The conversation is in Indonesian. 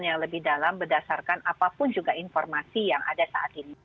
yang lebih dalam berdasarkan apapun juga informasi yang ada saat ini